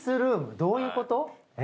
どういうこと？え！？